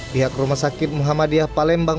pihak rumah sakit muhammadiyah palembang